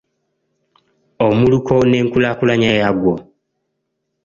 Omuluko n’enkulaakulanya yaagwo